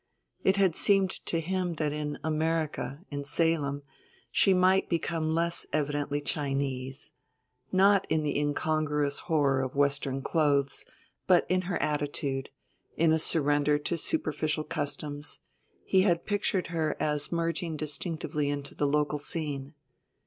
It had seemed to him that in America, in Salem, she might become less evidently Chinese; not in the incongruous horror of Western clothes, but in her attitude, in a surrender to superficial customs; he had pictured her as merging distinctively into the local scene.